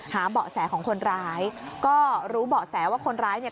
เบาะแสของคนร้ายก็รู้เบาะแสว่าคนร้ายเนี่ย